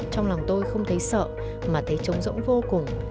trong lòng tôi không thấy sợ mà thấy chống rỗng vô cùng